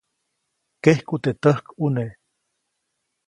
Kejku teʼ täjkʼune.